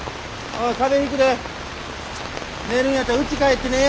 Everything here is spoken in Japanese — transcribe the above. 寝るんやったらうち帰って寝ぇや。